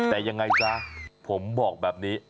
แต่ยังไงซะผมบอกแบบนี้